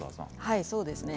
そうです。